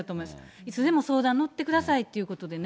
いつでも相談乗ってくださいということでね。